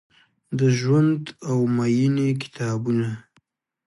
د ژوند او میینې کتابونه ،